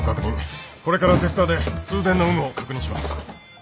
これからテスターで通電の有無を確認します。